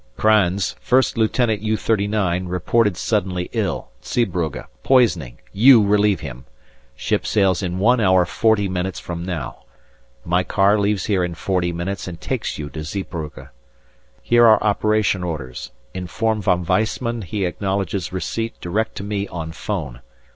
"Kranz, 1st Lieutenant U.39, reported suddenly ill, Zeebrugge, poisoning you relieve him. Ship sails in one hour forty minutes from now my car leaves here in forty minutes and takes you to Zeebrugge. Here are operation orders inform Von Weissman he acknowledges receipt direct to me on 'phone.